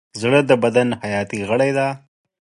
زړه د بدن حیاتي غړی دی.